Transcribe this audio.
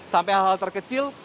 sampai hal hal terkecil